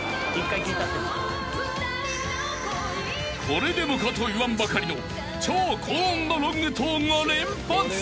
［これでもかと言わんばかりの超高音のロングトーンが連発。